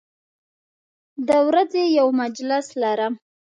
د ورځې یو مجلس لرم